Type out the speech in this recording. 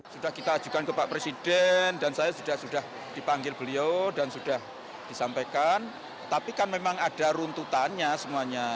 sudah kita ajukan ke pak presiden dan saya sudah dipanggil beliau dan sudah disampaikan tapi kan memang ada runtutannya semuanya